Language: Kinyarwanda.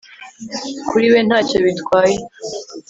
kuri we ntacyo bitwaye